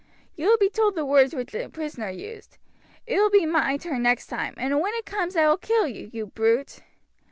You will be told the words which the prisoner used: 'It will be my turn next time, and when it comes I will kill you, you brute.'